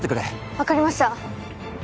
わかりました。